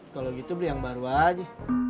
kalau gitu beli yang baru aja